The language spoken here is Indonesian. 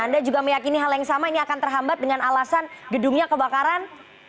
anda juga meyakini hal yang sama ini akan terhambat dengan alasan gedungnya kebakaran